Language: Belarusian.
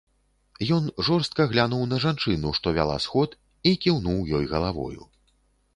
Ён жорстка глянуў на жанчыну, што вяла сход, і кіўнуў ёй галавою.